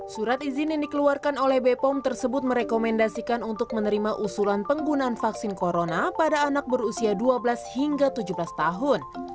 surat izin yang dikeluarkan oleh bepom tersebut merekomendasikan untuk menerima usulan penggunaan vaksin corona pada anak berusia dua belas hingga tujuh belas tahun